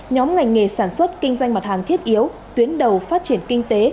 nhóm ngành nghề sản xuất kinh doanh mặt hàng thiết yếu tuyến đầu phát triển kinh tế